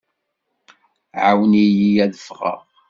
Ɛawen-iyi ad ffɣeɣ.